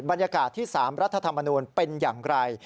บรรยากาศที่๓รัฐธรรมนูลเป็นอย่างไร